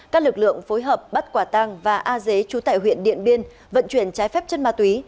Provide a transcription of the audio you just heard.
các lực lượng phối hợp bắt quả tang và a dế chú tại huyện điện biên vận chuyển trái phép chất ma túy